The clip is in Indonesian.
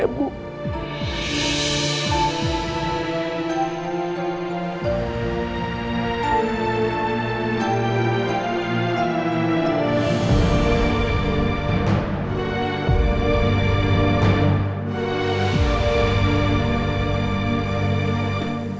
mereka itu siapa